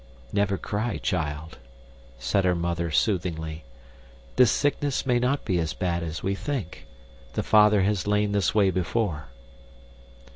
"Never cry, child," said her mother soothingly. "This sickness may not be as bad as we think. The father has lain this way before."